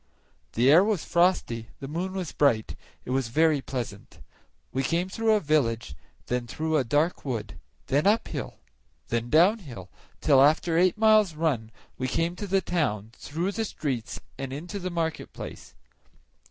The air was frosty, the moon was bright; it was very pleasant. We came through a village, then through a dark wood, then uphill, then downhill, till after eight miles' run we came to the town, through the streets and into the market place.